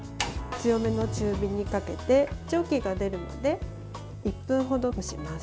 強めの中火にかけて蒸気が出るまで１分ほど蒸します。